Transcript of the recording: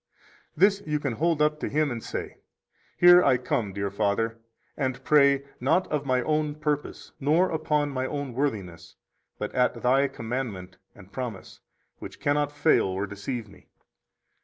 21 This you can hold up to Him and say: Here I come, dear Father, and pray, not of my own purpose nor upon my own worthiness, but at Thy commandment and promise, which cannot fail or deceive me.